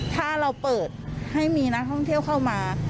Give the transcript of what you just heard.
ถ้าเราเปิดให้มีนักท่องเที่ยวเข้ามา